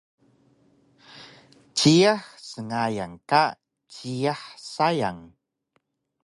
Jiyax sngayan ka jiyax sayang